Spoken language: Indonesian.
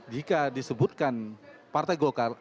jika disebutkan partai golkar